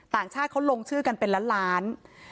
ต่างชาติเขาลงชื่อกันเป็นล้านล้าน